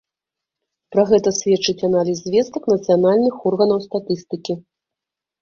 Пра гэта сведчыць аналіз звестак нацыянальных органаў статыстыкі.